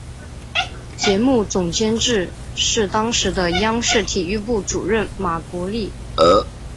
节目总监制是当时的央视体育部主任马国力。